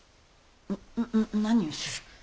な何をする！